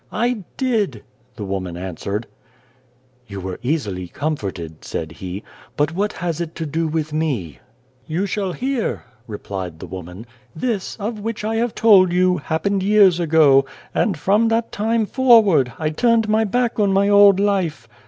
" I did," the woman answered. 204 and the Devil "You were easily comforted," said he. "But what has it to do with me ?" "You shall hear," replied the woman. " This, of which I have told you, happened years ago, and, from that time forward, I turned my back on my old life.